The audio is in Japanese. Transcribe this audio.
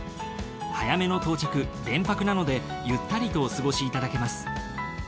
早めの到着連泊なのでゆったりとお過ごしいただけます。